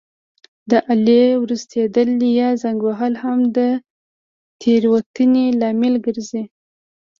د آلې ورستېدل یا زنګ وهل هم د تېروتنې لامل ګرځي.